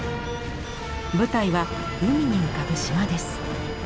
舞台は海に浮かぶ島です。